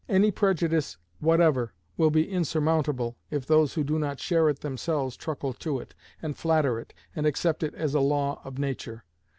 Any prejudice whatever will be insurmountable if those who do not share it themselves truckle to it, and flatter it, and accept it as a law of nature.